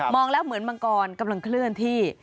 แล้วเหมือนมังกรกำลังเคลื่อนที่